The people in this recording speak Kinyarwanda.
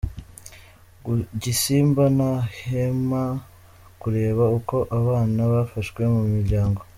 Gisimba ntahwema kureba uko abana bafashwe mu miryango.